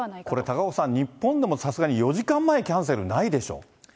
これ、高岡さん、日本でもさすがに４時間前にキャンセルはないでしょう？